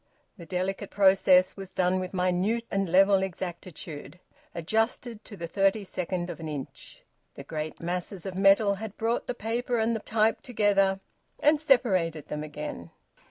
The delicate process was done with minute and level exactitude; adjusted to the thirty second of an inch, the great masses of metal had brought the paper and the type together and separated them again.